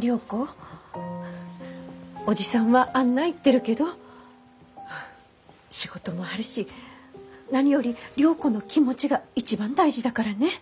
良子おじさんはあんな言ってるけど仕事もあるし何より良子の気持ちが一番大事だからね。